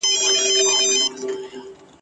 په ښو مي یاد کړی زړو، زلمیانو !.